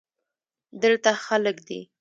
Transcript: دلته خلگ دی.